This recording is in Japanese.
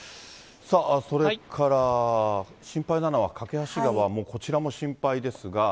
さあ、それから心配なのは梯川、こちらも心配ですが。